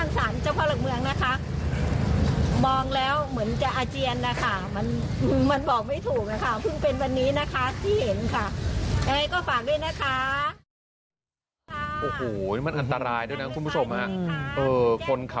สวัสดีค่ะกันเป็นฟ้ายใช่ไหมคะ